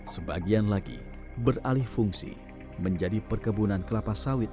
sebagian lagi beralih fungsi menjadi perkebunan kelapa sawit